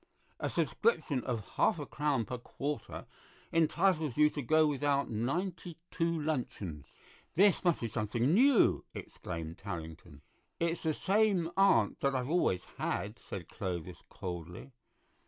A subscription of half a crown per quarter entitles you to go without ninety two luncheons." "This must be something new," exclaimed Tarrington. "It's the same aunt that I've always had," said Clovis coldly.